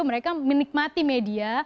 mereka menikmati media